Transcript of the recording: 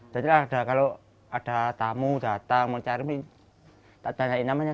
dari dulu sampai sekarang ya nggak berubah ya